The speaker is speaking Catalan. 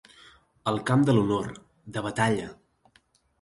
El camp de l'honor, de batalla.